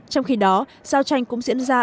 trong khi đó giao tranh cũng diễn ra